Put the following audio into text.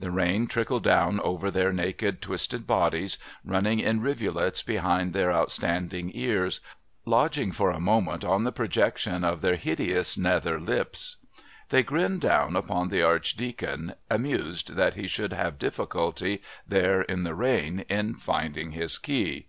The rain trickled down over their naked twisted bodies, running in rivulets behind their outstanding ears, lodging for a moment on the projection of their hideous nether lips. They grinned down upon the Archdeacon, amused that he should have difficulty, there in the rain, in finding his key.